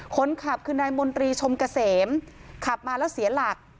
คนขับคือนายมนตรีชมเกษมขับมาแล้วเสียหลัก